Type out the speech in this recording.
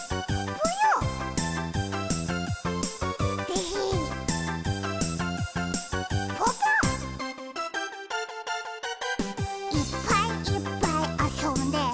ぽぽ「いっぱいいっぱいあそんで」